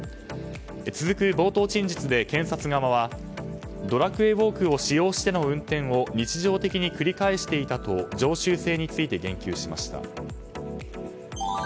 続く冒頭陳述で検察側は「ドラクエウォーク」を使用しての運転を日常的に繰り返していたと常習性について言及しました。